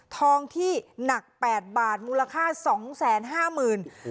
ทองที่หนักแปดบาทมูลค่าสองแสนห้าหมื่น